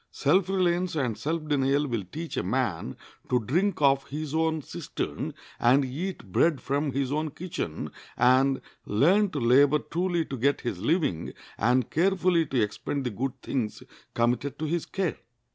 Self reliance and self denial will teach a man to drink of his own cistern, and eat bread from his own kitchen, and learn to labor truly to get his living, and carefully to expend the good things committed to his care.